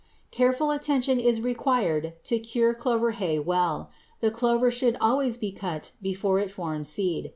Careful attention is required to cure clover hay well. The clover should always be cut before it forms seed.